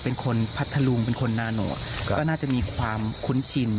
เป็นคนพัทธลุงเป็นคนนาโนตก็น่าจะมีความคุ้นชิน